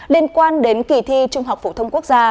liên quan đến kỳ thi trung học phổ thông quốc gia